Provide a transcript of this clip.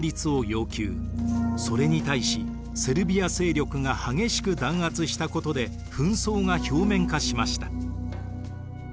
それに対しセルビア勢力が激しく弾圧したことで紛争が表面化しました。